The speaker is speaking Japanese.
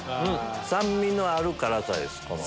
酸味のある辛さです